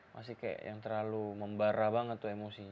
masih kayak yang terlalu membara banget tuh emosinya